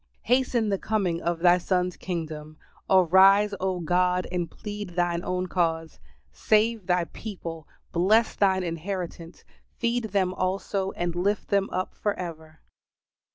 Hasten the coming of Thy Son's kingdom. Arise, O God, and plead Thine own cause. "Save Thy people, bless Thine inheritance, feed them also and lift them up for ever."